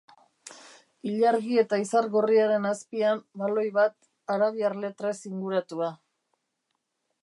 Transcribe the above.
Ilargi eta izar gorriaren azpian, baloi bat, arabiar letrez inguratua.